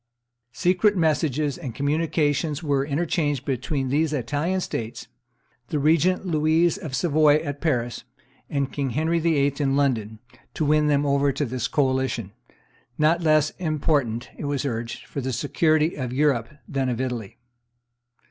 Secret messages and communications were interchanged between these Italian states, the regent Louise of Savoy at Paris, and King Henry VIII. in London, to win them over to this coalition, not less important, it was urged, for the security of Europe than of Italy.